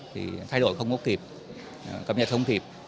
thì thay đổi không có kịp cập nhật không kịp